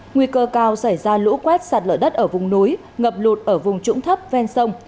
nguy cơ cao xảy ra lũ quét sạt lở đất ở vùng núi ngập lụt ở vùng trũng thấp ven sông